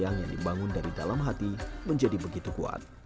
kasih kasih sayang yang dibangun dari dalam hati menjadi begitu kuat